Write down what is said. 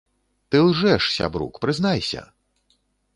Ты лжэш, сябрук, прызнайся!